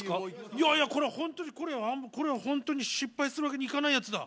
いやいやこれは本当にこれは失敗するわけにいかないやつだ。